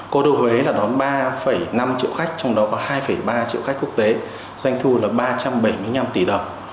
cô đô huế là đón ba năm triệu khách trong đó có hai ba triệu khách quốc tế doanh thu là ba trăm bảy mươi năm tỷ đồng